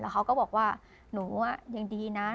เขาก็บอกว่าหนูยังดีนะ